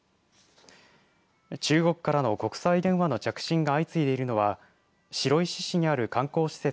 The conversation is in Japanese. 中国からの国際電話の着信が相次いでいるのは白石市にある観光施設